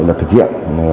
là thực hiện